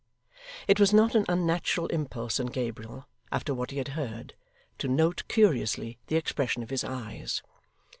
It was not an unnatural impulse in Gabriel, after what he had heard, to note curiously the expression of his eyes.